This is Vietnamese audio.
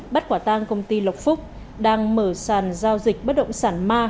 bắt quả tang công ty lộc phúc đang mở sàn giao dịch bất động sản ma